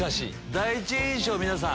第一印象皆さん。